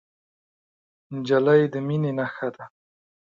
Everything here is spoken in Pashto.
نجلۍ د مینې نښه ده.